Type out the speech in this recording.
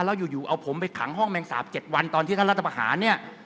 แล้วอยู่เอาผมไปขังห้องแมงสาป๗วันตอนที่ท่านรัฐประหารเนี่ย